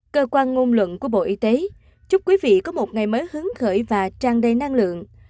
cơ quan ngôn luận của bộ y tế chúc quý vị có một ngày mới hứng khởi và tràn đầy năng lượng